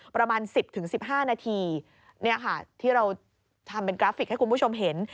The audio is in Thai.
ประมาณ๑๐๑๕นาทีเนี่ยค่ะที่เราทำเป็นกราฟิกให้คุณผู้ชมเห็น